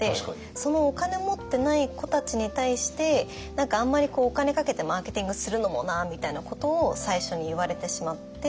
「そのお金持ってない子たちに対して何かあんまりお金かけてマーケティングするのもな」みたいなことを最初に言われてしまって。